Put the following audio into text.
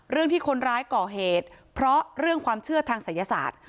ที่คนร้ายก่อเหตุเพราะเรื่องความเชื่อทางศัยศาสตร์